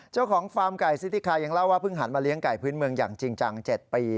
ฟาร์มไก่ซิติคายังเล่าว่าเพิ่งหันมาเลี้ยงไก่พื้นเมืองอย่างจริงจัง๗ปี